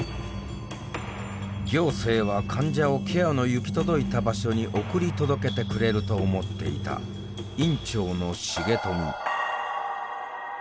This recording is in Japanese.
「行政は患者をケアの行き届いた場所に送り届けてくれる」と思っていた院長の重富。